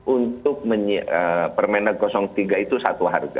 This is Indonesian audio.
untuk permendak tiga itu satu harga